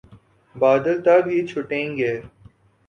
بادل تب ہی چھٹیں گے۔